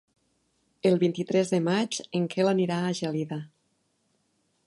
El vint-i-tres de maig en Quel anirà a Gelida.